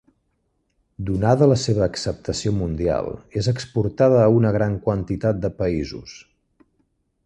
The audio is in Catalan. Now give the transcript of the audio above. Donada la seva acceptació mundial, és exportada a una gran quantitat de països.